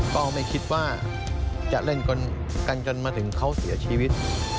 ก็ไม่คิดว่าจะเล่นกันจนมาถึงเขาเสียชีวิต